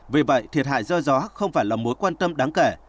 vì vậy thiệt hại do gió không phải là mối quan tâm đáng kể